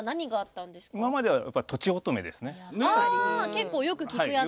結構よく聞くやつ。